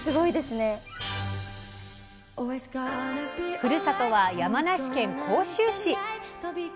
ふるさとは山梨県甲州市。